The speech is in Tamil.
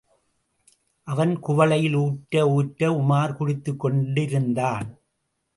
அவன் குவளையில் ஊற்ற ஊற்ற உமார் குடித்துக் கொண்டிருந்தான்.